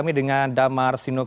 tidak ada masalah